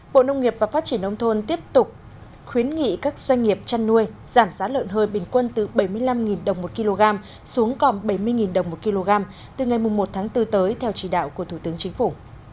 bộ nông nghiệp và phát triển nông thôn tiếp tục khuyến nghị các doanh nghiệp chăn nuôi giảm giá lợn hơi bình quân từ bảy mươi năm đồng một kg xuống còn bảy mươi đồng một kg từ ngày một tháng bốn tới theo chỉ đạo của thủ tướng chính phủ